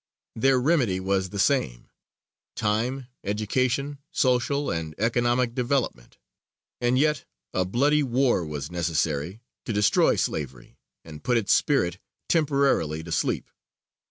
Their remedy was the same time, education, social and economic development; and yet a bloody war was necessary to destroy slavery and put its spirit temporarily to sleep.